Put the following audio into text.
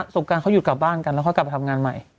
สงการเขาหยุดกลับบ้านกันแล้วค่อยกลับไปทำงานใหม่